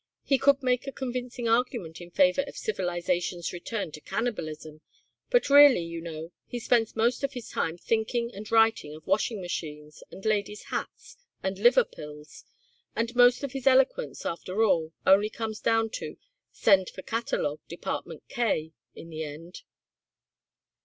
He could make a convincing argument in favour of civilisation's return to cannibalism, but really, you know, he spends most of his time thinking and writing of washing machines and ladies' hats and liver pills, and most of his eloquence after all only comes down to 'Send for catalogue, Department K' in the end."